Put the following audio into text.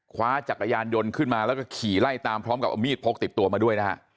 คว้าจักรยานยนต์ขึ้นมาแล้วก็ขี่ไล่ตามพร้อมกับเอามีดพกติดตัวมาด้วยนะฮะ